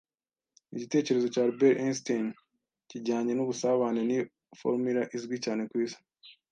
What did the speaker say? Igitekerezo cya Albert Einstein kijyanye nubusabane ni formula izwi cyane kwisi